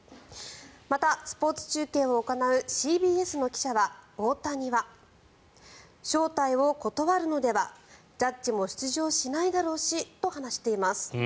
また、スポーツ中継を行うＣＢＳの記者は大谷は招待を断るのではジャッジも出場しないだろうしと話しています。